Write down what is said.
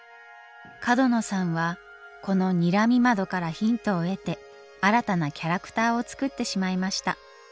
角野さんはこのにらみ窓からヒントを得て新たなキャラクターを作ってしまいました。